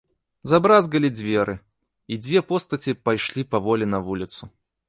Забразгалі дзверы, і дзве постаці пайшлі паволі на вуліцу.